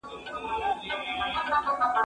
زه له سهاره مېوې وچوم!